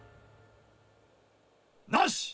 なし！